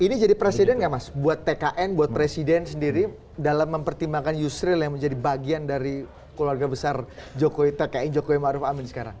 ini jadi presiden nggak mas buat tkn buat presiden sendiri dalam mempertimbangkan yusril yang menjadi bagian dari keluarga besar jokowi tkn jokowi maruf amin sekarang